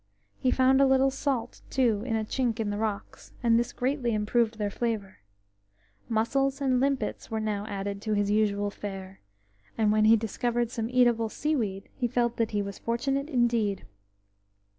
He found a little salt, too, in a chink in the rocks, and this greatly improved their flavour. Mussels and limpets were now added to his usual fare, and when he discovered some eatable seaweed he felt that he was fortunate indeed.